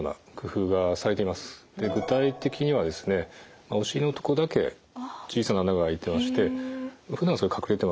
具体的にはお尻のとこだけ小さな穴が開いてましてふだんそれ隠れてます。